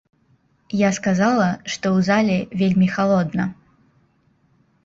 Я сказала, што ў зале вельмі халодна.